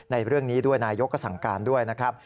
ในเรื่องนี้ด้วยนายกก็สั่งการด้วยนะครับ